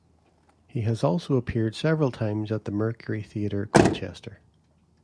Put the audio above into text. He has also appeared several times at the Mercury Theatre, Colchester.